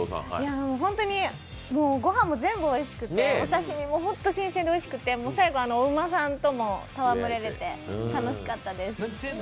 本当に御飯も全部おいしくて、お刺身も新鮮でおいしくて、最後、お馬さんとも戯れれて、楽しかったです。